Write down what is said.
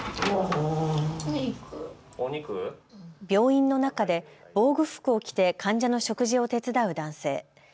病院の中で防護服を着て患者の食事を手伝う男性。